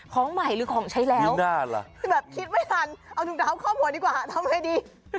ของใหม่หรือของใช้แล้วคิดไม่ทันเอาถุงเท้าข้อมูลดีกว่าทำให้ดี